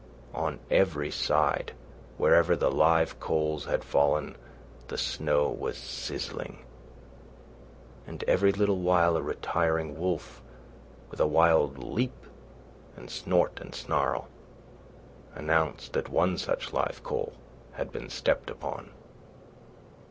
On every side, wherever the live coals had fallen, the snow was sizzling, and every little while a retiring wolf, with wild leap and snort and snarl, announced that one such live coal had been stepped upon.